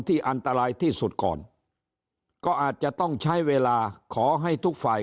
อันตรายที่สุดก่อนก็อาจจะต้องใช้เวลาขอให้ทุกฝ่าย